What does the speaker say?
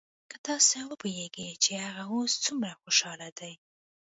که تاسو وپويېګئ چې هغه اوس سومره خوشاله دى.